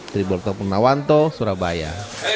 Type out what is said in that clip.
tributal pernahwanto surabaya